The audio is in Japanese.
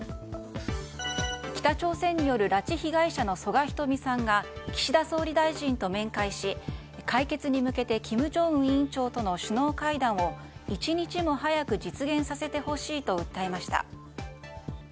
北朝鮮による拉致被害者の曽我ひとみさんが岸田総理大臣と面会し解決に向けて金正恩総書記との首脳会談を一日も早く実現させてほしいと訴えました。